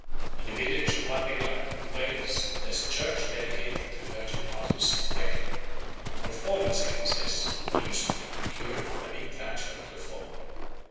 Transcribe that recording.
In the village of Llandegla in Wales there is a church dedicated to the virgin martyr St. Tecla, where the falling sickness is, or used to be, cured by being transferred to a fowl.